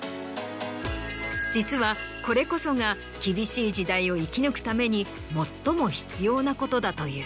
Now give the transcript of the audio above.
実はこれこそが厳しい時代を生き抜くために最も必要なことだという。